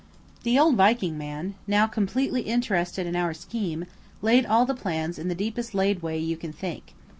The old Viking man, now completely interested in our scheme, laid all the plans in the deepest laid way you can think.